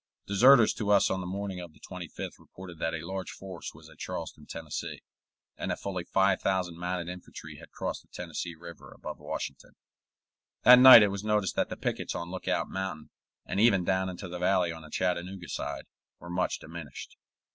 Deserters to us on the morning of the 25th reported that a large force was at Charleston, Tenn., and that fully five thousand mounted infantry had crossed the Tennessee River above Washington. That night it was noticed that the pickets on Lookout Mountain, and even down into the valley on the Chattanooga side, were much diminished.